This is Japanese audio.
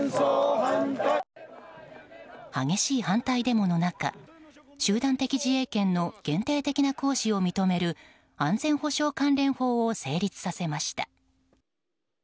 激しい反対デモの中集団的自衛権の限定的な行使を認める安全保障関連法を成立させました。